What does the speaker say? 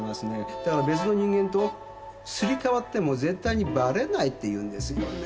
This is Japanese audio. だから「別の人間とすり替わっても絶対にばれない」って言うんですよねぇ。